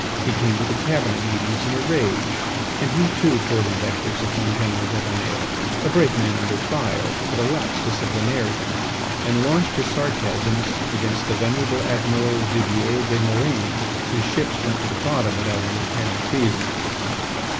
He came to the cabinet meetings in a rage and he, too, poured invectives upon General Débonnaire—a brave man under fire but a lax disciplinarian—and launched his sarcasms at against the venerable admiral Vivier des Murènes whose ships went to the bottom without any apparent reason.